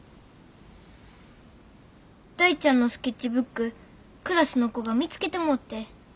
大ちゃんのスケッチブッククラスの子が見つけてもうて。